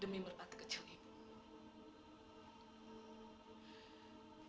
demi merpati kecil ibu